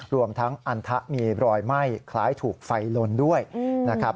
รวมทั้งอันทะมีรอยไหม้คล้ายถูกไฟลนด้วยนะครับ